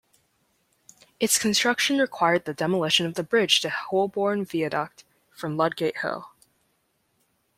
Its construction required the demolition of the bridge to Holborn Viaduct from Ludgate Hill.